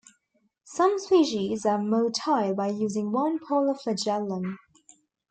Some species are motile by using one polar flagellum.